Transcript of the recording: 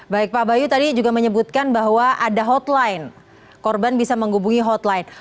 baik pak bayu tadi juga menyebutkan bahwa ada hotline korban bisa menghubungi hotline